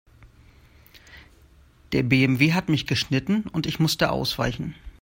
Der BMW hat mich geschnitten und ich musste ausweichen.